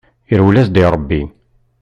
Yerwel-as-d i rebbi.